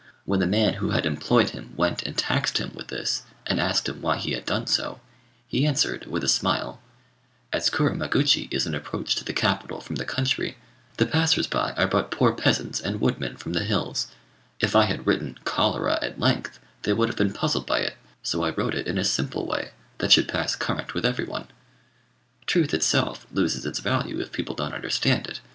When the man who had employed him went and taxed him with this, and asked him why he had done so, he answered, with a smile "As Kuramaguchi is an approach to the capital from the country, the passers by are but poor peasants and woodmen from the hills: if I had written 'cholera' at length, they would have been puzzled by it; so I wrote it in a simple way, that should pass current with every one. Truth itself loses its value if people don't understand it.